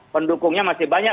pendukungnya masih banyak